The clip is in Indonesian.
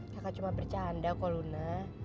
kakak cuma bercanda kok luna